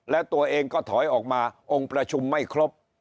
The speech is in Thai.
และตัวเองก็ถอยออกมาองค์ประชุมไม่ครบ